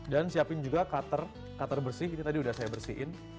dan siapin juga cutter bersih ini tadi udah saya bersihin